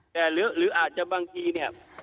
แต่หรืออาจจะบางทีเนี่ย